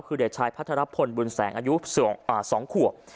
คือเด็กชายพัทรพลบุญแสงอายุ๒ขวบ